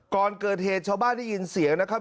ก่อนเกิดเหตุชาวบ้านได้ยินเสียงนะครับ